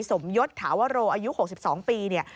สมยศถาวโรอายุ๖๒ปีเนี่ย